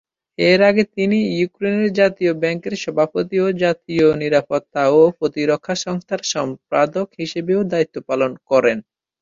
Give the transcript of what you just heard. এর আগে তিনি ইউক্রেনের জাতীয় ব্যাংকের সভাপতি ও জাতীয় নিরাপত্তা ও প্রতিরক্ষা সংস্থার সম্পাদক হিসেবেও দায়িত্ব পালন করেন।